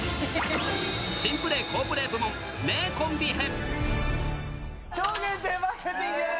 珍プレー好プレー部門、名コンビ編。